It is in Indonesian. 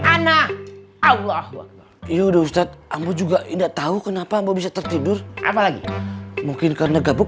anak allah ya udah ustadz ambo juga enggak tahu kenapa bisa tertidur apalagi mungkin karena gabuk